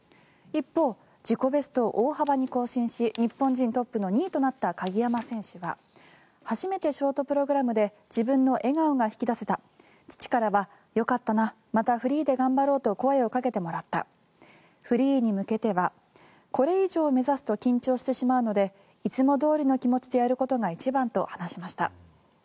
一方、自己ベストを大幅に更新し日本人トップの２位となった鍵山選手は初めてショートプログラムで自分の笑顔が引き出せた父からはよかったなまたフリーで頑張ろうと声をかけてもらったフリーに向けてはこれ以上目指すと緊張してしまうのでいつもどおりの気持ちでやることが一番と話していました。